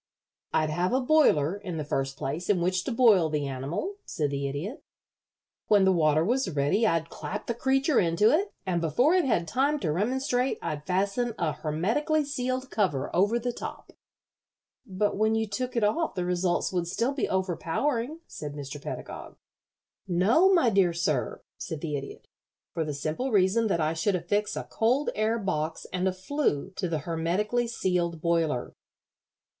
"I'd have a boiler, in the first place, in which to boil the animal," said the Idiot. "When the water was ready I'd clap the creature into it, and before it had time to remonstrate I'd fasten a hermetically sealed cover over the top." "But when you took it off the results would still be overpowering," said Mr. Pedagog. [Illustration: "'FINDING OUT WHAT IS BEING COOKED FOR DINNER'"] "No, my dear sir," said the Idiot, "for the simple reason that I should affix a cold air box and a flue to the hermetically sealed boiler.